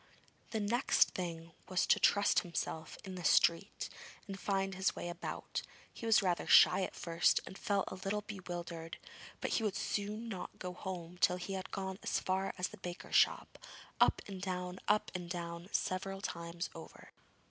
The next thing was to trust himself in the street, and find his way about. He was rather shy at first, and felt a little bewildered, but he would not go home till he had gone as far as the baker's shop up and down, up and down, several times over.